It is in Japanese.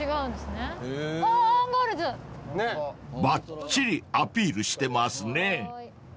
［ばっちりアピールしてますね］